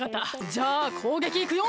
じゃあこうげきいくよ。